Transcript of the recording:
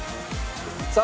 さあ。